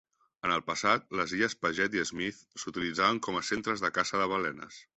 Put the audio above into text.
En el passat, les illes Paget i Smith s'utilitzaven com a centres de caça de balenes.